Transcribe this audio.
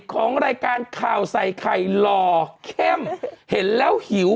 ของรายการข่าวใส่ไข่หล่อเข้มเห็นแล้วหิว